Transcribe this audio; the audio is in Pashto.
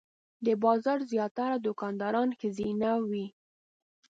د بازار زیاتره دوکانداران ښځینه وې.